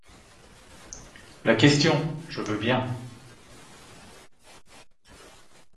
La question, je veux bien.